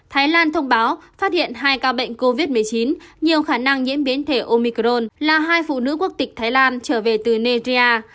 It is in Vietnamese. thái lan thông báo phát hiện hai ca bệnh covid một mươi chín nhiều khả năng nhiễm biến thể omicron là hai phụ nữ quốc tịch thái lan trở về từ negia